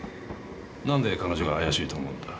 なんで彼女が怪しいと思うんだ？